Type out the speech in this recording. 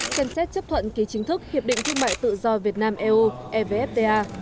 chân xét chấp thuận ký chính thức hiệp định thương mại tự do việt nam eo evfda